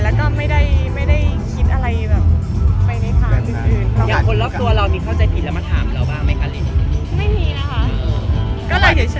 และก็ไม่ได้คิดอะไรแบบไปในทางที่คือ